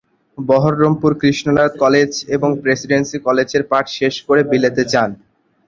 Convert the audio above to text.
Baharampur Krishnanath college এবং Presidency কলেজের পাঠ শেষ করে বিলেত যান।